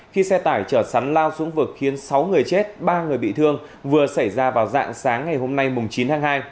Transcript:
khi xe tải chở sắn lao xuống vực khiến sáu người chết ba người bị thương vừa xảy ra vào dạng sáng ngày hôm nay chín tháng hai